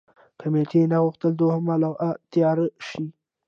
کمېټې نه غوښتل دوهمه لواء تېره شي.